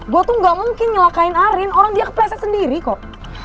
gue tuh gak mungkin nyelakain arin orang dia kepleset sendiri kok